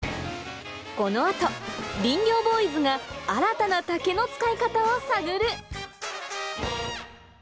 この後林業ボーイズが新たな竹の使い方を探る！